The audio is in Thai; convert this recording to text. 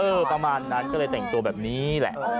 ประมาณนั้นก็เลยแต่งตัวแบบนี้แหละ